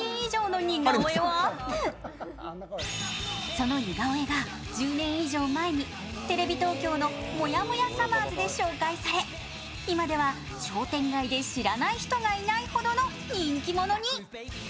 その似顔絵が１０年以上前にテレビ東京の「モヤモヤさまぁず」で紹介され、今では商店街で知らない人がいないほどの人気者に。